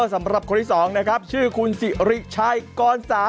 สำหรับคนที่๒นะครับชื่อคุณสิริชัยกรสา